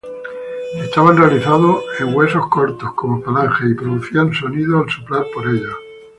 Estaban realizados en huesos cortos, como falanges, y producían sonido al soplar por ellos.